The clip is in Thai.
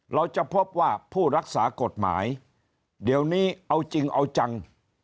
เราจะพบว่าผู้รักษากฎหมายเดี๋ยวนี้เอาจริงเอาจัง